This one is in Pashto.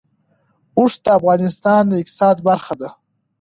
اوښ د افغانستان د اقتصاد برخه ده.